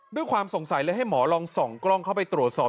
ด้วยความสงสัยเลยให้หมอลองส่องกล้องเข้าไปตรวจสอบ